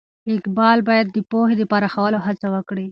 اقبال باید د پوهې د پراخولو هڅه وکړي.